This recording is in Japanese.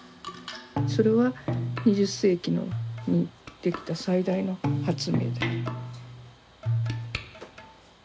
それは２０世紀にできた最大の発明だと。